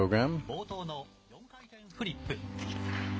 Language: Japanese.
冒頭の４回転フリップ。